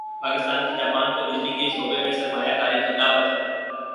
پاکستان کی جاپان کو بجلی کے شعبے میں سرمایہ کاری کی دعوت